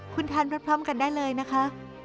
คุณทานพร้อมกันได้เลยนะคะ